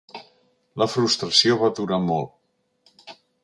La frustració va durar molt.